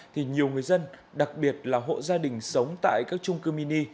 thì nhiều người dân đặc biệt là hộ gia đình sống tại các trung cư mini